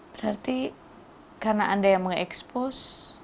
berarti karena anda yang mengekspos